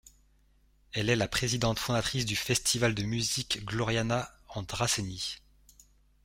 Elle est la présidente fondatrice du Festival de musique Gloriana en Dracénie.